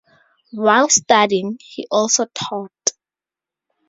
While studying, he also taught.